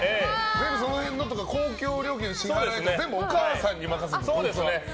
その辺のとか公共料金の支払いは全部お母さんに任せてる。